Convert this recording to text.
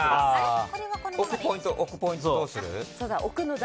置くポイントどうする？